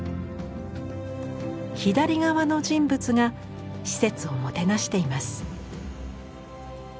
左側の人物が使節をもてなしています。